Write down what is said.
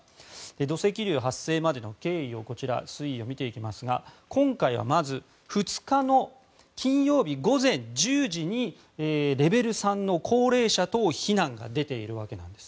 土石流発生までの推移を見ていきますが今回はまず２日の金曜日午前１０時にレベル３の高齢者等避難が出ているわけなんです。